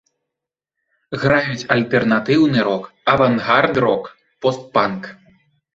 Граюць альтэрнатыўны рок, авангард-рок, пост-панк.